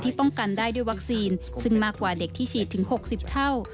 ป้องกันได้ด้วยวัคซีนซึ่งมากกว่าเด็กที่ฉีดถึง๖๐เท่า